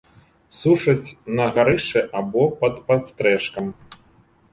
Сушаць на гарышчы або пад падстрэшкам.